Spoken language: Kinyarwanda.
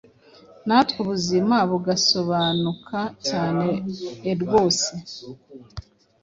natwe ubuzima bugasobanuka cyane erwose.